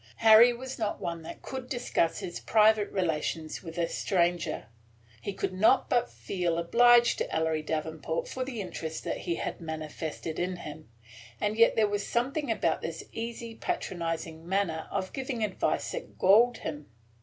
Harry was not one that could discuss his private relations with a stranger. He could not but feel obliged to Ellery Davenport for the interest that he had manifested in him, and yet there was something about this easy patronizing manner of giving advice that galled him.